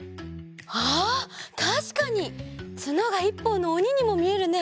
あったしかにツノが１ぽんのおににもみえるね。